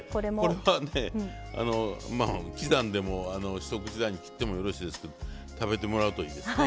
これはね刻んでも一口大に切ってもよろしいですけど食べてもらうといいですね。